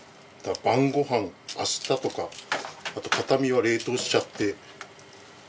晩ご飯明日とかあと片身は冷凍しちゃって。